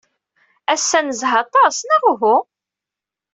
Ass-a, nezha aṭas, neɣ uhu?